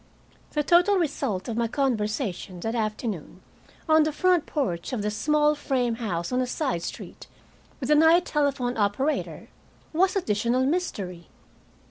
The total result of my conversation that afternoon on the front porch of the small frame house on a side street with the night telephone operator was additional mystery.